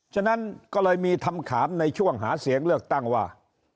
ฉะนั้นก็เลยมีคำถามในช่วงหาเสียงเลือกตั้งว่า